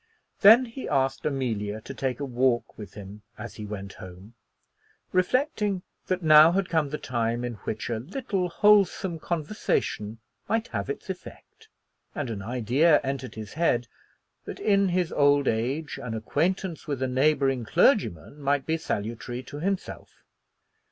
Then he asked Amelia to take a walk with him as he went home, reflecting that now had come the time in which a little wholesome conversation might have its effect. And an idea entered his head that in his old age an acquaintance with a neighboring clergyman might be salutary to himself.